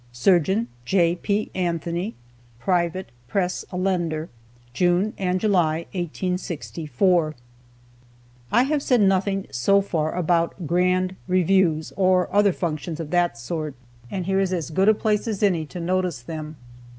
SURGEON J. P. ANTHONY. PRIVATE PRESS ALLENDER. JUNE AND JULY, 1864. I have said nothing so far about "grand reviews," or other functions of that sort, and here is as good a place as any to notice them.